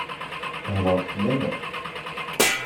Theddṛeḍ fell-aneɣ?